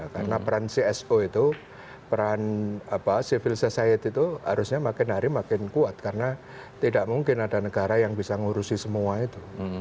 karena peran cso itu peran civil society itu harusnya makin hari makin kuat karena tidak mungkin ada negara yang bisa ngurusi semua itu